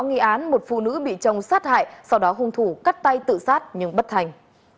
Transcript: nghi án một phụ nữ bị chồng sát hại sau đó hung thủ cắt tay tự sát nhưng bất thành